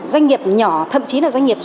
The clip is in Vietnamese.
doanh nghiệp nhỏ thậm chí là doanh nghiệp